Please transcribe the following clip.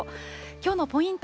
きょうのポイント